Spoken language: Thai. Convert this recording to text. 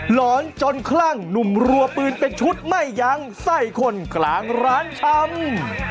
หลอนจนคลั่งหนุ่มรัวปืนเป็นชุดไม่ยั้งใส่คนกลางร้านชำ